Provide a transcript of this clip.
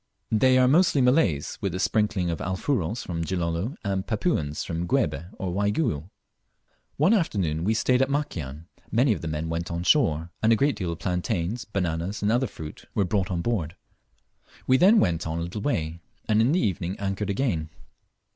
They are mostly Malays, with a sprinkling of Alfuros from Gilolo, and Papuans from Guebe or Waigiou. One afternoon we stayed at Makian; many of the men went on shore, and a great deal of plantains, bananas, and other fruits were brought on board. We then went on a little way, and in the evening anchored again.